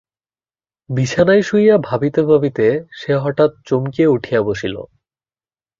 বিছানায় শুইয়া ভাবিতে ভাবিতে সে হঠাৎ চমকিয়া উঠিয়া বসিল।